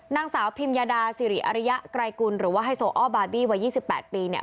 นางสาวพิมยาดาสิริอริยะไกรกุลหรือว่าไฮโซอ้อบาร์บี้วัย๒๘ปีเนี่ย